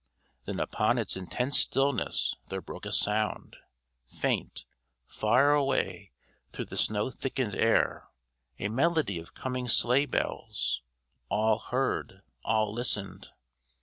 Then upon its intense stillness there broke a sound faint, far away through the snow thickened air a melody of coming sleigh bells. All heard, all listened.